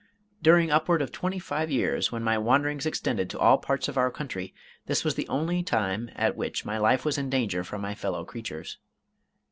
During upward of twenty five years, when my wanderings extended to all parts of our country, this was the only time at which my life was in danger from my fellow creatures.